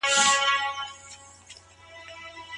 د پرمختګ حق یوازي پوهو خلګو ته نه سي سپارل کېدلای.